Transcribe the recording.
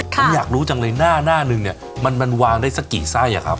ผมอยากรู้จังนะหน้านี่มันมันวางได้เสียสิกี่ไส้อะครับ